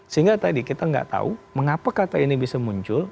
sehingga tadi kita nggak tahu mengapa kata ini bisa muncul